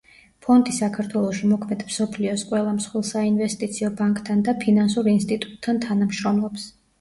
ფონდი საქართველოში მოქმედ მსოფლიოს ყველა მსხვილ საინვესტიციო ბანკთან და ფინანსურ ინსტიტუტთან თანამშრომლობს.